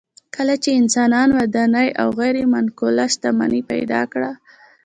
کله چې انسانانو ودانۍ او غیر منقوله شتمني پیدا کړه